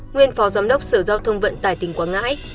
nguyên phó giám đốc sở giao thông vận tải tỉnh quảng ngãi